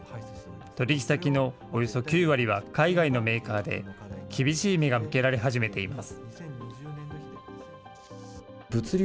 取り引き先のおよそ９割は海外のメーカーで、厳しい目が向けられ始めています。